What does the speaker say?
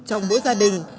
trong mỗi gia đình